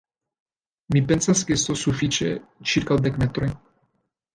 Mi pensas, ke estos sufiĉe ĉirkaŭ dek metroj!